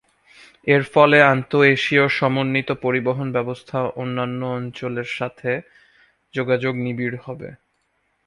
এর ফলে আন্তঃএশীয় সমন্বিত পরিবহণ ব্যবস্থা অন্যান্য অঞ্চলের সাথে যোগাযোগ নিবিড় হবে।